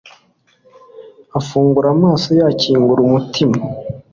Afungura amaso akingura umutima